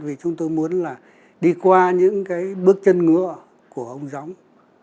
vì chúng tôi muốn là đi qua những cái bước chân ngựa của ông gióng